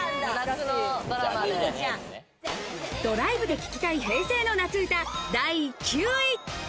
ドライブで聴きたい平成の夏歌、第９位。